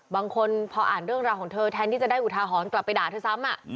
บางคนพออ่านเรื่องราวของเธอแทนที่จะได้อุทาหรณ์กลับไปด่าเธอซ้ำ